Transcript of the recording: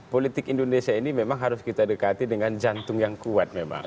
politik indonesia ini memang harus kita dekati dengan jantung yang kuat memang